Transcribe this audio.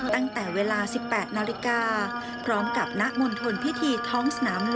ตั้งแต่เวลา๑๘นาฬิกาพร้อมกับณมณฑลพิธีท้องสนามหลวง